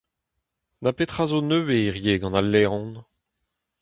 Na petra zo nevez hiziv gant al laeron ?